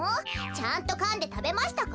ちゃんとかんでたべましたか？